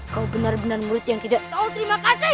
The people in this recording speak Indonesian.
kau benar benar murid yang tidak tahu terima kasih